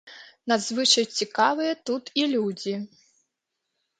Надзвычай цікавыя тут і людзі.